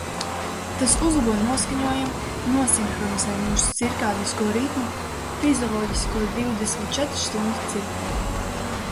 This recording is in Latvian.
Tas uzlabo noskaņojumu, nosinhronizē mūsu cirkādisko ritmu – fizioloģisko divdesmit četras stundu ciklu.